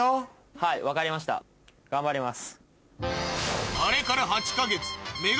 はい分かりました頑張ります。